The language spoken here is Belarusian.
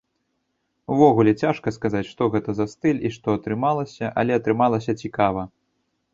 Увогуле цяжка сказаць, што гэта за стыль і што атрымалася, але атрымалася цікава.